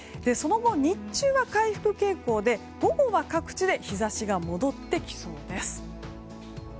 その後、日中は回復傾向で午後は各地で日差しが戻ってきそうです。